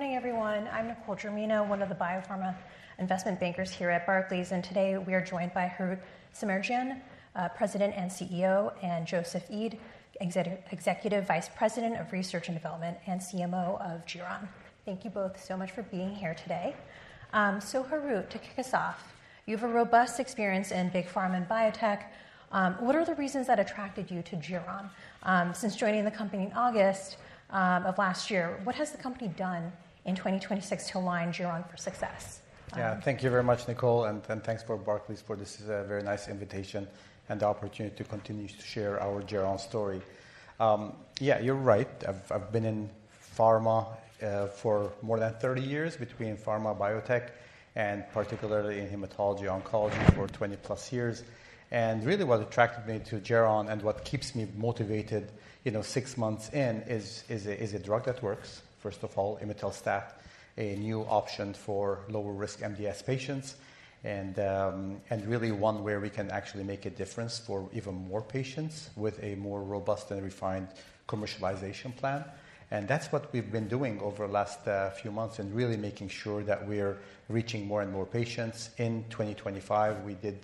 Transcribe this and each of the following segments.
Good morning, everyone. I'm Nicole Germino, one of the biopharma investment bankers here at Barclays, and today we are joined by Harout Semerjian, President and CEO, and Joseph Eid, Executive Vice President of Research and Development and CMO of Geron. Thank you both so much for being here today. Harout, to kick us off, you have a robust experience in big pharma and biotech. What are the reasons that attracted you to Geron? Since joining the company in August of last year, what has the company done in 2026 to align Geron for success? Yeah. Thank you very much, Nicole, and thanks for Barclays for this very nice invitation and the opportunity to continue to share our Geron story. Yeah, you're right. I've been in pharma for more than 30 years, between pharma, biotech, and particularly in hematology oncology for 20+ years. Really what attracted me to Geron and what keeps me motivated, you know, six months in is a drug that works, first of all, Imetelstat, a new option for lower-risk MDS patients and really one where we can actually make a difference for even more patients with a more robust and refined commercialization plan. That's what we've been doing over the last few months and really making sure that we're reaching more and more patients. In 2025, we did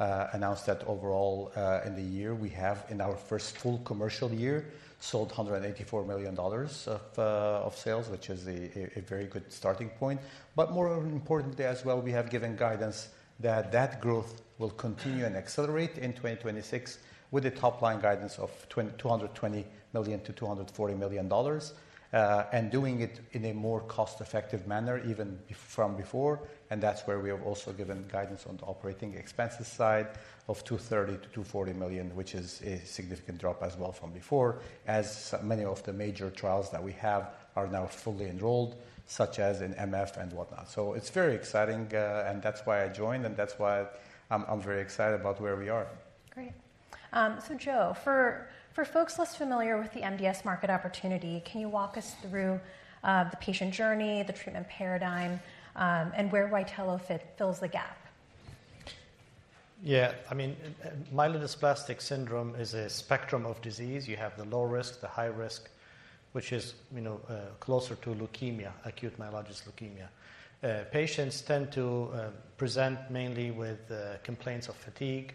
announce that overall, in the year we have in our first full commercial year sold $184 million of sales, which is a very good starting point. But more importantly as well, we have given guidance that that growth will continue and accelerate in 2026 with a top-line guidance of $220 million-$240 million, and doing it in a more cost-effective manner even before. That's where we have also given guidance on the operating expenses side of $230 million-$240 million, which is a significant drop as well from before, as many of the major trials that we have are now fully enrolled, such as in MF and whatnot. It's very exciting, and that's why I joined, and that's why I'm very excited about where we are. Great. Joe, for folks less familiar with the MDS market opportunity, can you walk us through the patient journey, the treatment paradigm, and where RYTELO fills the gap? Yeah. I mean, myelodysplastic syndrome is a spectrum of disease. You have the low risk, the high risk, which is, you know, closer to leukemia, acute myelogenous leukemia. Patients tend to present mainly with complaints of fatigue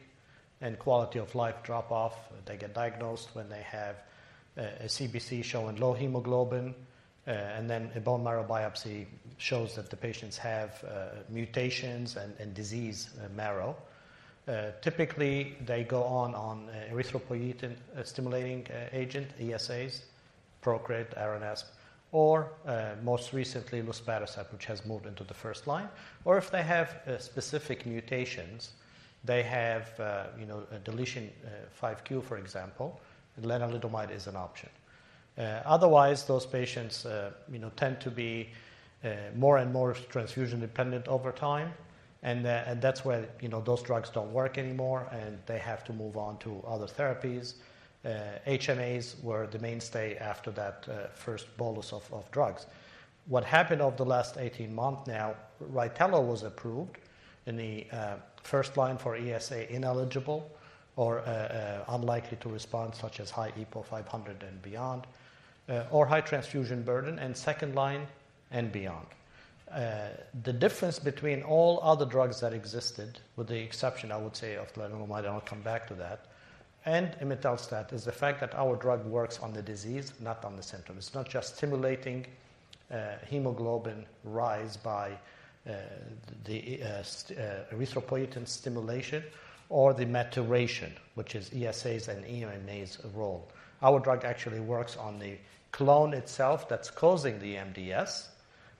and quality of life drop-off. They get diagnosed when they have a CBC showing low hemoglobin, and then a bone marrow biopsy shows that the patients have mutations and disease marrow. Typically, they go on erythropoietin-stimulating agent, ESAs, Procrit, Aranesp, or most recently, Luspatercept, which has moved into the first line. If they have specific mutations, they have, you know, a deletion 5q, for example, Lenalidomide is an option. Otherwise, those patients, you know, tend to be more and more transfusion-dependent over time, and that's where, you know, those drugs don't work anymore, and they have to move on to other therapies. HMAs were the mainstay after that first bolus of drugs. What happened over the last 18 months now, RYTELO was approved in the first line for ESA-ineligible or unlikely to respond, such as high EPO 500 and beyond, or high transfusion burden and second line and beyond. The difference between all other drugs that existed, with the exception I would say of Lenalidomide, and I'll come back to that, and Imetelstat, is the fact that our drug works on the disease, not on the symptom. It's not just stimulating hemoglobin rise by the erythropoietin stimulation or the maturation, which is ESAs and HMAs role. Our drug actually works on the clone itself that's causing the MDS.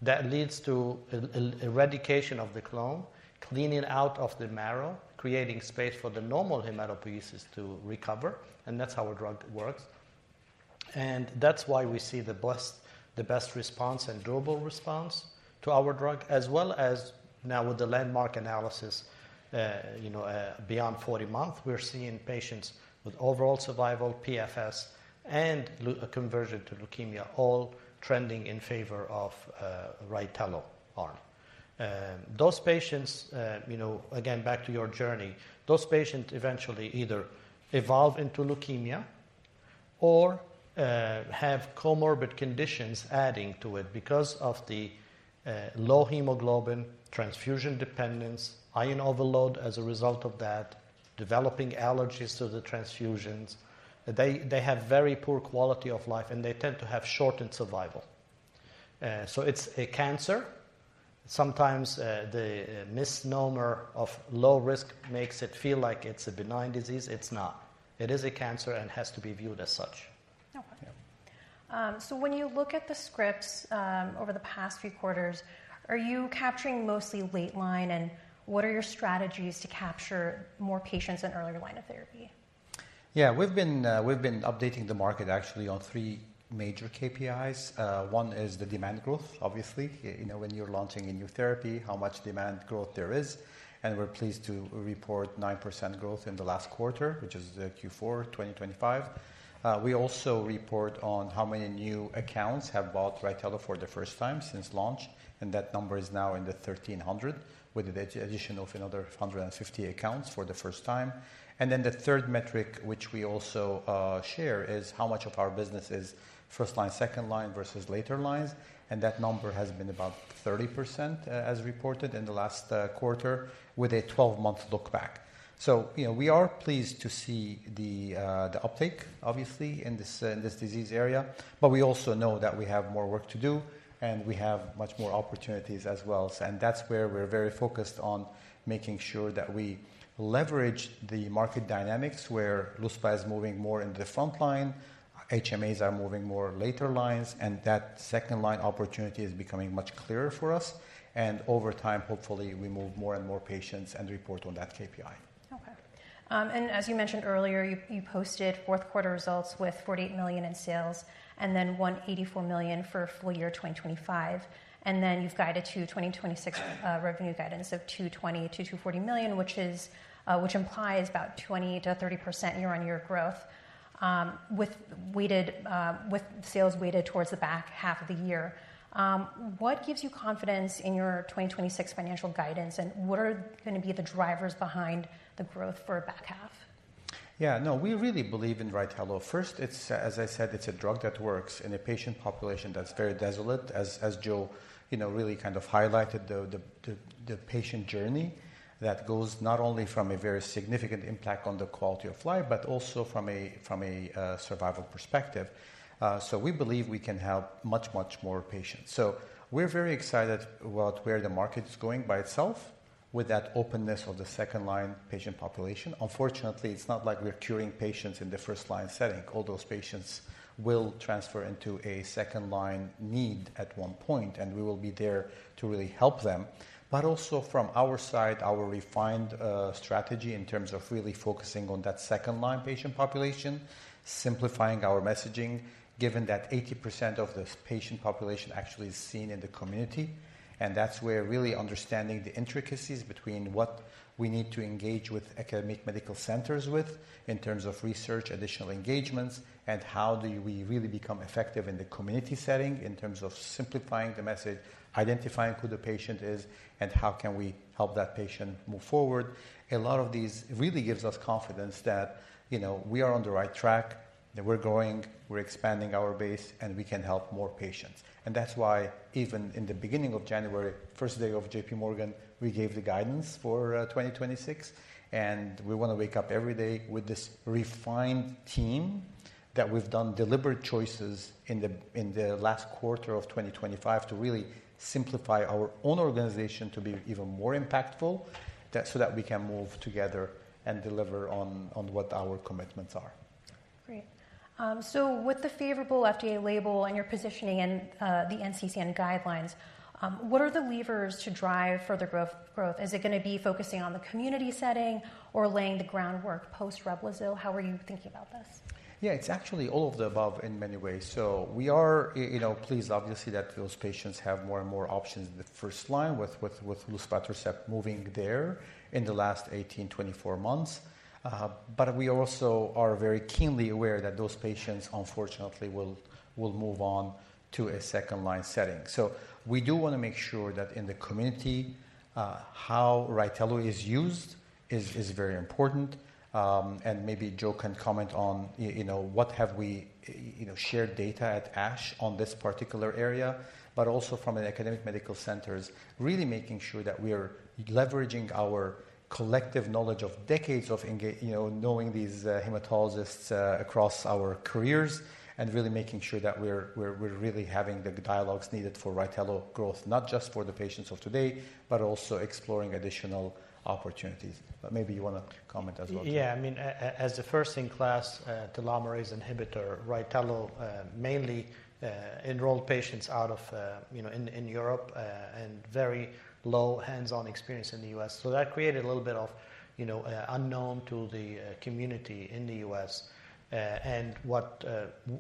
That leads to eradication of the clone, cleaning out of the marrow, creating space for the normal hematopoiesis to recover, and that's how our drug works. That's why we see the best response and durable response to our drug as well as now with the landmark analysis, you know, beyond 40 months, we're seeing patients with overall survival, PFS and conversion to leukemia all trending in favor of RYTELO arm. Those patients, you know, again, back to your journey, those patients eventually either evolve into leukemia or have comorbid conditions adding to it because of the low hemoglobin, transfusion dependence, iron overload as a result of that, developing allergies to the transfusions. They have very poor quality of life, and they tend to have shortened survival. It's a cancer. Sometimes, the misnomer of low risk makes it feel like it's a benign disease. It's not. It is a cancer and has to be viewed as such. No problem. Yeah. When you look at the scripts over the past few quarters, are you capturing mostly late-line, and what are your strategies to capture more patients in earlier line of therapy? Yeah. We've been updating the market actually on three major KPIs. One is the demand growth, obviously. You know, when you're launching a new therapy, how much demand growth there is, and we're pleased to report 9% growth in the last quarter, which is Q4 2025. We also report on how many new accounts have bought RYTELO for the first time since launch, and that number is now in the 1,300, with the addition of another 150 accounts for the first time. The third metric which we also share is how much of our business is first-line, second-line versus later lines, and that number has been about 30%, as reported in the last quarter with a 12-month look-back. You know, we are pleased to see the uptake obviously in this disease area. We also know that we have more work to do, and we have much more opportunities as well. That's where we're very focused on making sure that we leverage the market dynamics where Luspatercept is moving more into the front line, HMAs are moving more later lines, and that second line opportunity is becoming much clearer for us. Over time, hopefully, we move more and more patients and report on that KPI. Okay. As you mentioned earlier, you posted fourth quarter results with $48 million in sales and then $184 million for full year 2025. You've guided to 2026 revenue guidance of $220 million-$240 million, which implies about 20%-30% year-on-year growth, with sales weighted towards the back half of the year. What gives you confidence in your 2026 financial guidance, and what are gonna be the drivers behind the growth for back half? Yeah. No, we really believe in RYTELO. First, it's, as I said, it's a drug that works in a patient population that's very desolate. As Joe, you know, really kind of highlighted the patient journey that goes not only from a very significant impact on the quality of life, but also from a survival perspective. We believe we can help much, much more patients. We're very excited about where the market is going by itself with that openness of the second line patient population. Unfortunately, it's not like we're curing patients in the first line setting. All those patients will transfer into a second line need at one point, and we will be there to really help them. Also from our side, our refined strategy in terms of really focusing on that second line patient population, simplifying our messaging, given that 80% of the patient population actually is seen in the community. That's where really understanding the intricacies between what we need to engage with academic medical centers with in terms of research, additional engagements, and how do we really become effective in the community setting in terms of simplifying the message, identifying who the patient is, and how can we help that patient move forward. A lot of these really gives us confidence that, you know, we are on the right track, that we're growing, we're expanding our base, and we can help more patients. That's why even in the beginning of January, first day of JPMorgan, we gave the guidance for 2026, and we wanna wake up every day with this refined team that we've done deliberate choices in the last quarter of 2025 to really simplify our own organization to be even more impactful that so that we can move together and deliver on what our commitments are. Great. With the favorable FDA label and your positioning in the NCCN guidelines, what are the levers to drive further growth? Is it gonna be focusing on the community setting or laying the groundwork post-Revlimid? How are you thinking about this? Yeah. It's actually all of the above in many ways. We are, you know, pleased obviously that those patients have more and more options in the first line with Luspatercept moving there in the last 18-24 months. We also are very keenly aware that those patients unfortunately will move on to a second line setting. We do wanna make sure that in the community, how RYTELO is used is very important. Maybe Joe can comment on, you know, what have we, you know, shared data at ASH on this particular area, but also from academic medical centers, really making sure that we are leveraging our collective knowledge of decades of you know, knowing these hematologists across our careers and really making sure that we're really having the dialogues needed for RYTELO growth, not just for the patients of today, but also exploring additional opportunities. Maybe you wanna comment as well, Joe. Yeah. I mean, as a first-in-class telomerase inhibitor, RYTELO mainly enrolled patients out of, you know, in Europe, and very low hands-on experience in the U.S. That created a little bit of, you know, unknown to the community in the U.S. What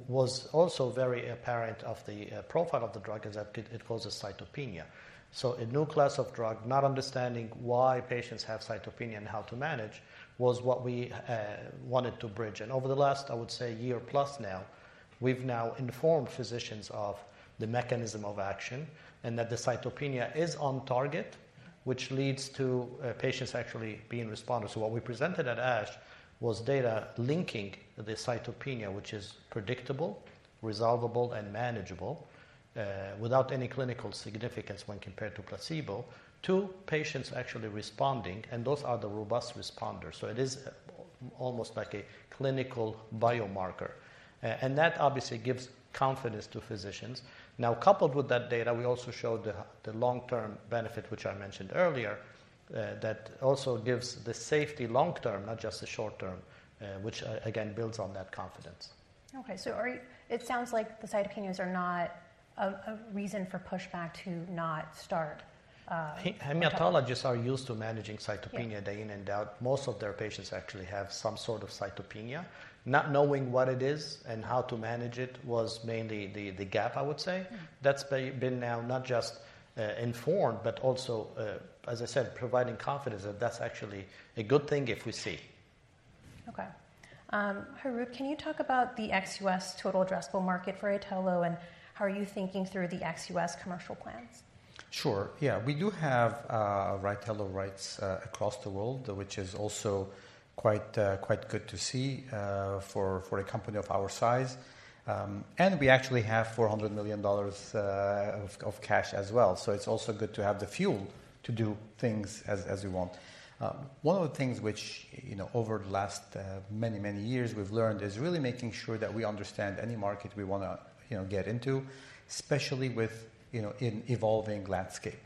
was also very apparent of the profile of the drug is that it causes cytopenia. A new class of drug, not understanding why patients have cytopenia and how to manage was what we wanted to bridge. Over the last, I would say, year plus now, we've now informed physicians of the mechanism of action and that the cytopenia is on target, which leads to patients actually being responders. What we presented at ASH was data linking the cytopenia, which is predictable, resolvable, and manageable, without any clinical significance when compared to placebo, to patients actually responding, and those are the robust responders. It is almost like a clinical biomarker. And that obviously gives confidence to physicians. Now, coupled with that data, we also showed the long-term benefit, which I mentioned earlier, that also gives the safety long term, not just the short term, which again, builds on that confidence. Okay. It sounds like the cytopenias are not a reason for pushback to not start RYTELO. Hematologists are used to managing cytopenia day in and out. Yeah. Most of their patients actually have some sort of cytopenia. Not knowing what it is and how to manage it was mainly the gap, I would say. That's been now not just informed, but also, as I said, providing confidence that that's actually a good thing if we see. Okay. Harout, can you talk about the ex-U.S. total addressable market for RYTELO, and how are you thinking through the ex-U.S. commercial plans? Sure. Yeah. We do have RYTELO rights across the world, which is also quite good to see for a company of our size. We actually have $400 million of cash as well, so it's also good to have the fuel to do things as we want. One of the things which, you know, over the last many years we've learned is really making sure that we understand any market we wanna, you know, get into, especially with, you know, an evolving landscape,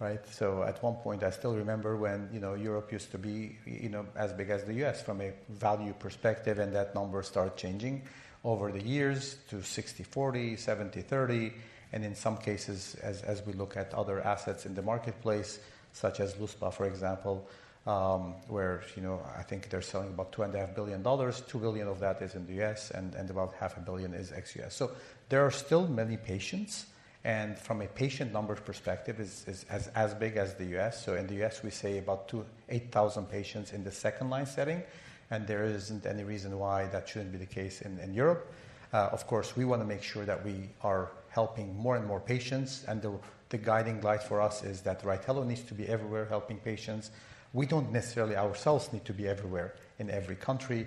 right? At one point, I still remember when, you know, Europe used to be, you know, as big as the U.S. from a value perspective, and that number started changing over the years to 60/40, 70/30, and in some cases, as we look at other assets in the marketplace, such as Luspatercept for example, where, you know, I think they're selling about $2.5 billion, $2 billion of that is in the U.S., and about $0.5 billion is ex-U.S. There are still many patients, and from a patient numbers perspective is as big as the U.S. In the U.S., we say about 28,000 patients in the second line setting, and there isn't any reason why that shouldn't be the case in Europe. Of course, we wanna make sure that we are helping more and more patients, and the guiding light for us is that RYTELO needs to be everywhere helping patients. We don't necessarily ourselves need to be everywhere in every country,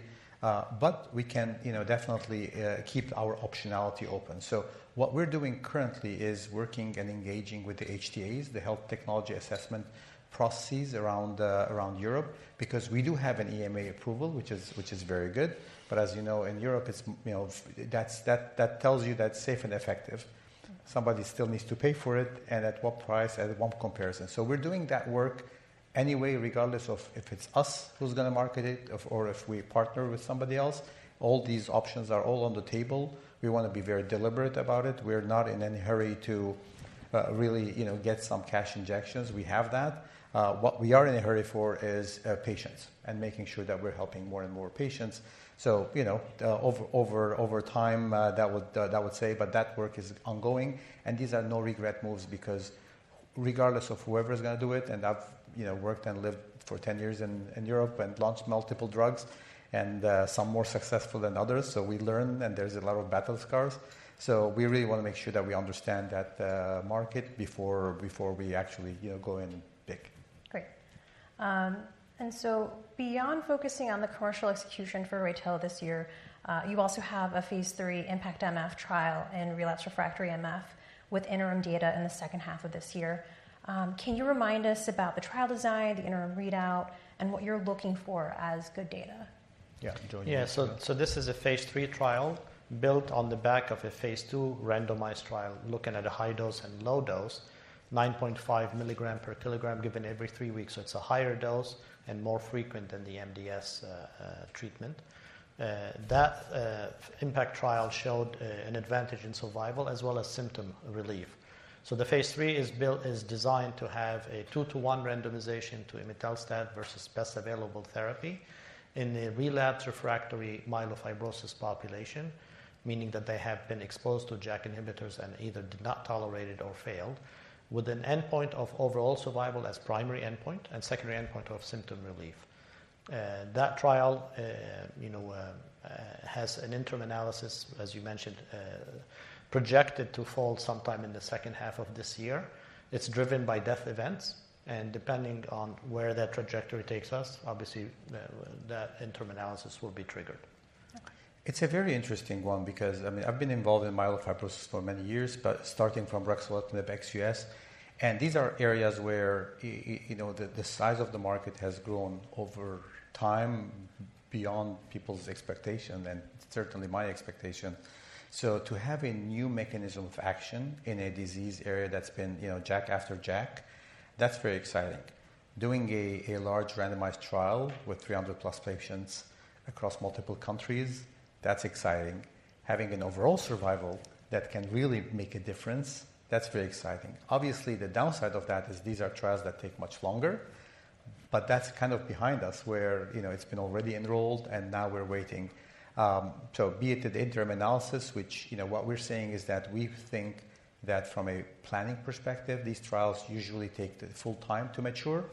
but we can, you know, definitely keep our optionality open. What we're doing currently is working and engaging with the HTAs, the Health Technology Assessment processes around Europe, because we do have an EMA approval, which is very good. As you know, in Europe, you know, that's safe and effective. Somebody still needs to pay for it and at what price and what comparison. We're doing that work anyway, regardless of if it's us who's gonna market it or if we partner with somebody else. All these options are all on the table. We wanna be very deliberate about it. We're not in any hurry to really, you know, get some cash injections. We have that. What we are in a hurry for is patients and making sure that we're helping more and more patients. You know, over time, that would say, but that work is ongoing. These are no regret moves because regardless of whoever's gonna do it, and I've, you know, worked and lived for 10 years in Europe and launched multiple drugs and some more successful than others. We learn, and there's a lot of battle scars. We really wanna make sure that we understand that market before we actually, you know, go in big. Great. Beyond focusing on the commercial execution for RYTELO this year, you also have a phase III IMPACT MF trial in relapsed refractory MF with interim data in the second half of this year. Can you remind us about the trial design, the interim readout, and what you're looking for as good data? Yeah. Yeah. This is a phase III trial built on the back of a phase II randomized trial, looking at a high dose and low dose, 9.5 mg/kg given every three weeks. It's a higher dose and more frequent than the MDS treatment. That IMPACT trial showed an advantage in survival as well as symptom relief. The phase III is designed to have a two to one randomization to Imetelstat versus best available therapy in a relapsed refractory myelofibrosis population, meaning that they have been exposed to JAK inhibitors and either did not tolerate it or failed, with an endpoint of overall survival as primary endpoint and secondary endpoint of symptom relief. That trial, you know, has an interim analysis, as you mentioned, projected to fall sometime in the second half of this year. It's driven by death events, and depending on where that trajectory takes us, obviously the interim analysis will be triggered. Okay. It's a very interesting one because, I mean, I've been involved in myelofibrosis for many years, but starting from ruxolitinib ex-U.S., and these are areas where you know the size of the market has grown over time beyond people's expectation and certainly my expectation. To have a new mechanism of action in a disease area that's been, you know, JAK after JAK, that's very exciting. Doing a large randomized trial with 300+ patients across multiple countries, that's exciting. Having an overall survival that can really make a difference, that's very exciting. Obviously, the downside of that is these are trials that take much longer, but that's kind of behind us where, you know, it's been already enrolled and now we're waiting to be at the interim analysis, which, you know, what we're saying is that we think that from a planning perspective, these trials usually take the full time to mature,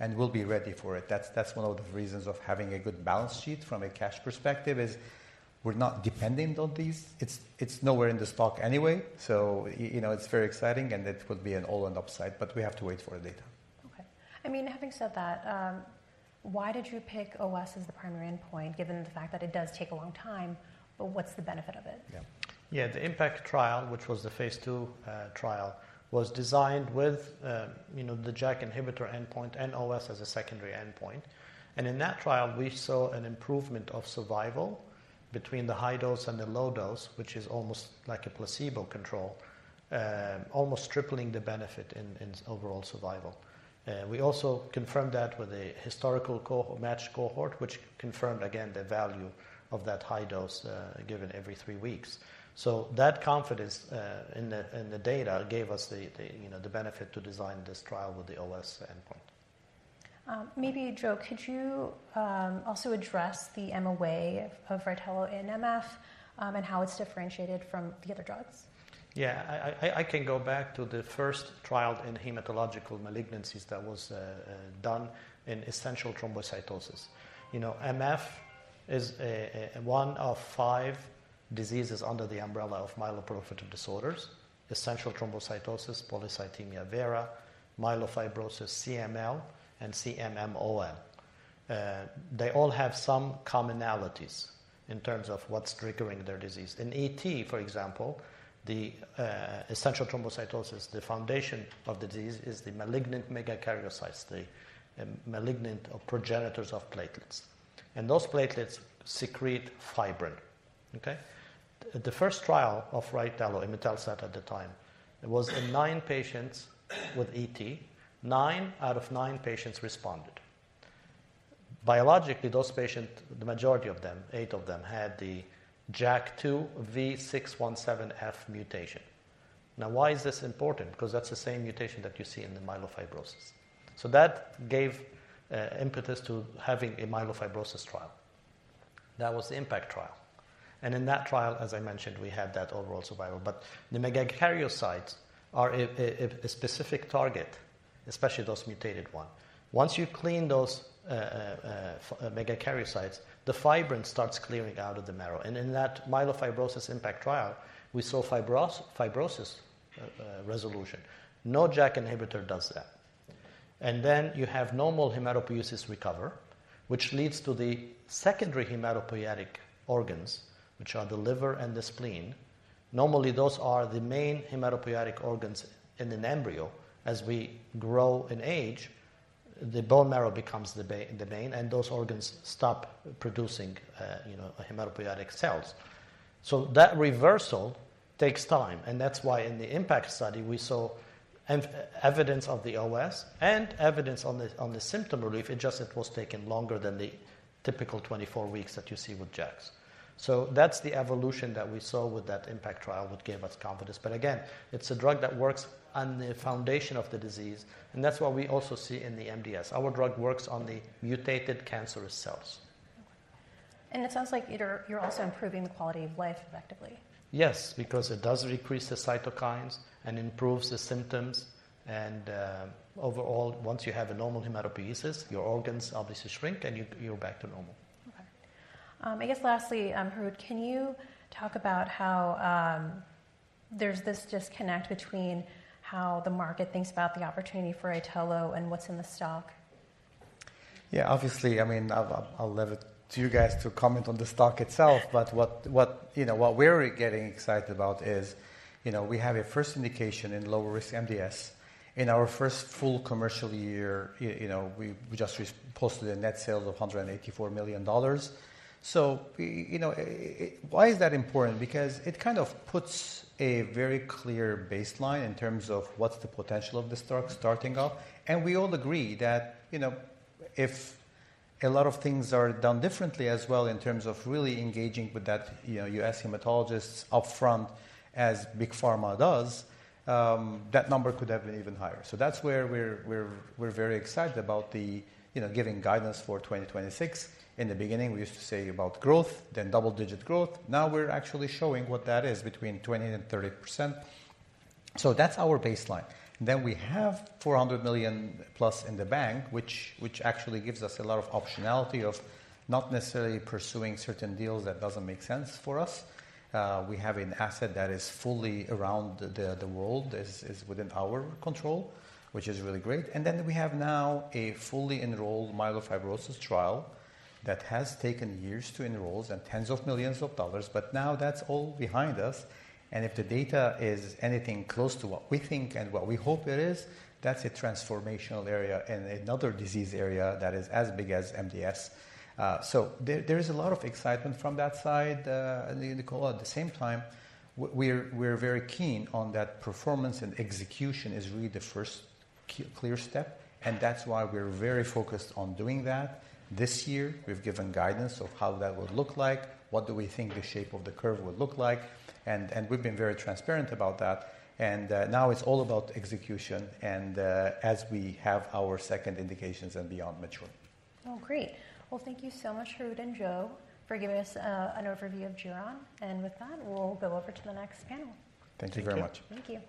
and we'll be ready for it. That's one of the reasons of having a good balance sheet from a cash perspective is we're not dependent on these. It's nowhere in the stock anyway, so, you know, it's very exciting, and it would be an all and upside, but we have to wait for the data. Okay. I mean, having said that, why did you pick OS as the primary endpoint, given the fact that it does take a long time, but what's the benefit of it? Yeah. Yeah. The IMPACT trial, which was the phase II trial, was designed with, you know, the JAK inhibitor endpoint and OS as a secondary endpoint. In that trial, we saw an improvement of survival between the high dose and the low dose, which is almost like a placebo control, almost tripling the benefit in overall survival. We also confirmed that with a historical matched cohort, which confirmed again the value of that high dose, given every three weeks. That confidence in the data gave us you know the benefit to design this trial with the OS endpoint. Maybe Joe, could you also address the MOA of RYTELO in MF, and how it's differentiated from the other drugs? Yeah. I can go back to the first trial in hematologic malignancies that was done in essential thrombocythemia. You know, MF is one of five diseases under the umbrella of myeloproliferative neoplasms. Essential thrombocythemia, polycythemia vera, myelofibrosis, CML, and CMML. They all have some commonalities in terms of what's triggering their disease. In ET, for example, the essential thrombocythemia, the foundation of the disease is the malignant megakaryocytes, the malignant progenitors of platelets. Those platelets secrete fibrin. Okay. The first trial of RYTELO, imetelstat at the time, it was in nine patients with ET. Nine out of nine patients responded. Biologically, those patients, the majority of them, eight of them, had the JAK2 V617F mutation. Now, why is this important? Because that's the same mutation that you see in the myelofibrosis. That gave impetus to having a myelofibrosis trial. That was the IMPACT trial. In that trial, as I mentioned, we had that overall survival. The megakaryocytes are a specific target, especially those mutated one. Once you clean those megakaryocytes, the fibrin starts clearing out of the marrow. In that myelofibrosis IMPACT trial, we saw fibrosis resolution. No JAK inhibitor does that. Then you have normal hematopoiesis recover, which leads to the secondary hematopoietic organs, which are the liver and the spleen. Normally, those are the main hematopoietic organs in an embryo. As we grow and age, the bone marrow becomes the main, and those organs stop producing, you know, hematopoietic cells. That reversal takes time, and that's why in the IMPACT study, we saw evidence of the OS and evidence on the symptom relief. It just, it was taking longer than the typical 24 weeks that you see with JAKs. That's the evolution that we saw with that IMPACT trial, which gave us confidence. Again, it's a drug that works on the foundation of the disease, and that's what we also see in the MDS. Our drug works on the mutated cancerous cells. It sounds like you're also improving the quality of life effectively. Yes, because it does decrease the cytokines and improves the symptoms. Overall, once you have a normal hematopoiesis, your organs obviously shrink, and you're back to normal. Okay. I guess lastly, Harout, can you talk about how there's this disconnect between how the market thinks about the opportunity for RYTELO and what's in the stock? Yeah. Obviously, I mean, I'll leave it to you guys to comment on the stock itself. What you know, what we're getting excited about is, you know, we have a first indication in low-risk MDS. In our first full commercial year, you know, we just posted net sales of $184 million. You know, why is that important? Because it kind of puts a very clear baseline in terms of what's the potential of the stock starting off. We all agree that, you know, if a lot of things are done differently as well in terms of really engaging with that, you know, U.S. Hematologists up front as big pharma does, that number could have been even higher. That's where we're very excited about the, you know, giving guidance for 2026. In the beginning, we used to say about growth, then double-digit growth. Now we're actually showing what that is between 20% and 30%. That's our baseline. We have $400 million-plus in the bank, which actually gives us a lot of optionality of not necessarily pursuing certain deals that doesn't make sense for us. We have an asset that is fully around the world is within our control, which is really great. We have now a fully enrolled myelofibrosis trial that has taken years to enroll and $10s of millions. Now that's all behind us. If the data is anything close to what we think and what we hope it is, that's a transformational area and another disease area that is as big as MDS. So there is a lot of excitement from that side, Nicole. At the same time, we're very keen on that performance and execution is really the first clear step, and that's why we're very focused on doing that. This year, we've given guidance of how that would look like, what do we think the shape of the curve would look like, and we've been very transparent about that. Now it's all about execution and as we have our second indications and beyond mature. Oh, great. Well, thank you so much, Harout and Joe, for giving us an overview of Geron. With that, we'll go over to the next panel. Thank you very much. Thank you.